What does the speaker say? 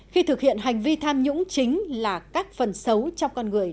khi thực hiện hành vi tham nhũng chính là các phần xấu trong con người